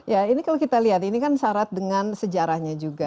ya ini kalau kita lihat ini kan syarat dengan sejarahnya juga